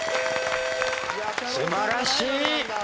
素晴らしい。